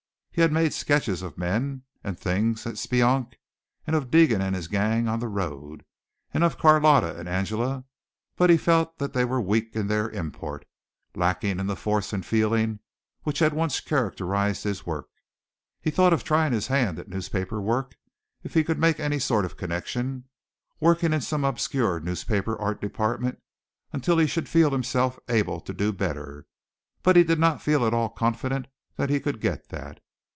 He had made sketches of men and things at Speonk, and of Deegan and his gang on the road, and of Carlotta and Angela, but he felt that they were weak in their import lacking in the force and feeling which had once characterized his work. He thought of trying his hand at newspaper work if he could make any sort of a connection working in some obscure newspaper art department until he should feel himself able to do better; but he did not feel at all confident that he could get that.